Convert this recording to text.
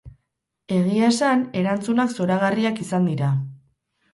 Egia esan, erantzunak zoragarriak izan dira.